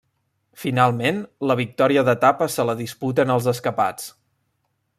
Finalment la victòria d'etapa se la disputen els escapats.